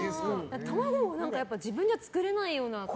卵も自分じゃ作れないような感じ。